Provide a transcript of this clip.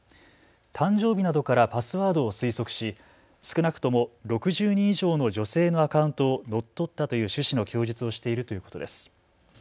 誕生日などからパスワードを推測し、少なくとも６０人以上の女性のアカウントを乗っ取ったという趣旨の供述をしているということです。